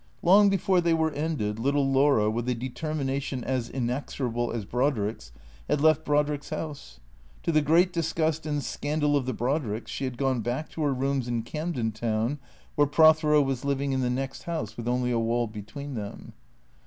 Long before they were ended, little Laura, with a determina tion as inexorable as Brodrick's, had left Brodrick's house. To the great disgust and scandal of the Brodricks she had gone back to her rooms in Camden Town, where Prothero was living in the next house with only a wall between them.